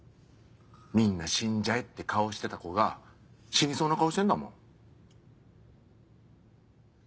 「みんな死んじゃえ」って顔してた子が死にそうな顔してんだもん。